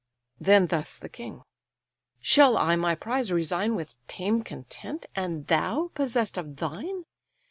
Then thus the king: "Shall I my prize resign With tame content, and thou possess'd of thine?